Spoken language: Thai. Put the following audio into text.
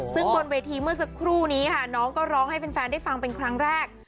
ซึ่งบนเวทีเมื่อสักครู่นี้ค่ะน้องก็ร้องให้แฟนได้ฟังเป็นครั้งแรก